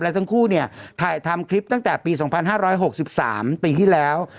และทั้งคู่เนี่ยถ่ายทำคลิปตั้งแต่ปีสองพันห้าร้อยหกสิบสามปีที่แล้ว